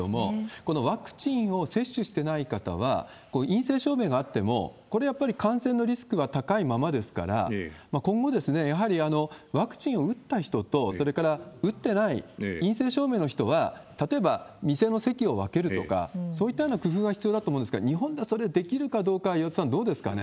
このワクチンを接種してない方は、陰性証明があっても、これやっぱり、感染のリスクは高いままですから、今後、やはりワクチンを打った人と、それから打ってない、陰性証明の人は、例えば、店の席を分けるとか、そういったような工夫が必要だと思うんですが、日本ではそれ、できるかどうか、岩田さん、どうですかね。